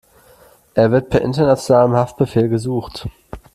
Er wird per internationalem Haftbefehl gesucht.